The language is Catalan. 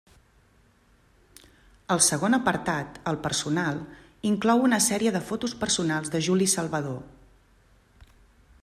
El segon apartat, el personal, inclou una sèrie de fotos personals de Juli Salvador.